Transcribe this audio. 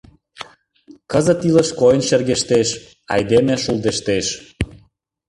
Кызыт илыш койын шергештеш, айдеме шулдештеш.